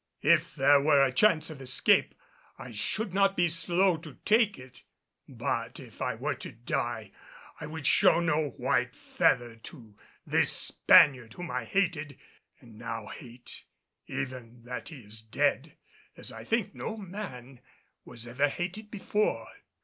If there were a chance of escape I should not be slow to take it; but if I were to die I would show no white feather to this Spaniard whom I hated, and now hate, even that he is dead, as I think no man was ever hated before.